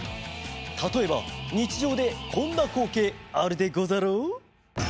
たとえばにちじょうでこんなこうけいあるでござろう？